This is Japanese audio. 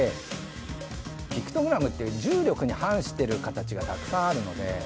ピクトグラムって重力に反してる形がたくさんあるので。